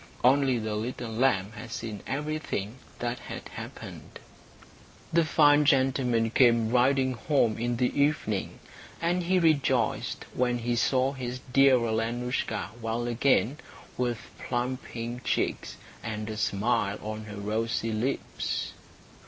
Only the little lamb had seen everything that had happened. The fine gentleman came riding home in the evening, and he rejoiced when he saw his dear Alenoushka well again, with plump pink cheeks, and a smile on her rosy lips.